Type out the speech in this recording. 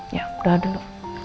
ya berdoa dulu